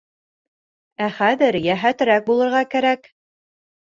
Ә хәҙер йәһәтерәк булырға кәрәк.